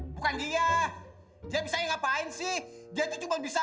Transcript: bukan dia dia bisa ngapain sih dia itu cuma bisa